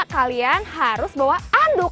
kalian harus bawa anduk